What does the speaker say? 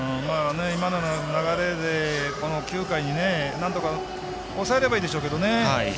今の流れで９回になんとか抑えればいいでしょうけどね。